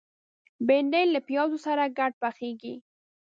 بېنډۍ له پیازو سره ګډه پخېږي